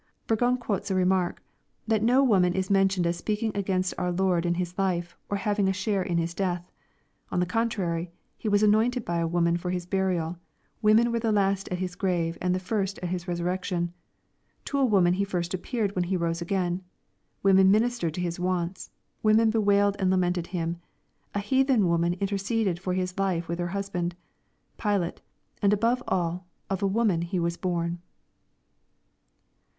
Burgon quotes a remark, " that no woman is mentioned m speaking against our Lord in His hfe, or having a share in His death. On the contrary, He was anointed by a woman for His burial ;— women were the last at His grave and the first at His resurrection :— to a woman He first appeared when He rose again ;— women ministered to His wants ;— women bewailed and la mented Him ;— a heathen woman interceded for His life with her husband, Pilate ;— and, above all, of a woman He was born."